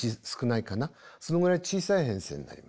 そのぐらい小さい編成になります。